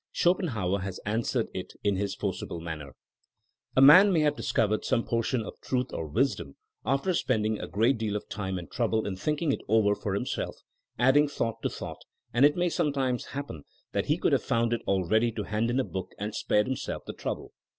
Schopenhauer has answered it in his forcible manner : A man may have discovered some portion of truth or wisdom after spending a great deal of time and trouble in thinking it over for him self, adding thought to thought; and it may sometimes happen that he could have found it all ready to hand in a book and spared himself the trouble.